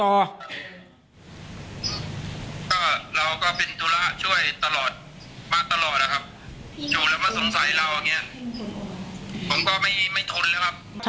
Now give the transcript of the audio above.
ก็เราก็เป็นธุระช่วยตลอดมาตลอดนะครับอยู่แล้วมาสงสัยเราอย่างนี้ผมก็ไม่ทนแล้วครับ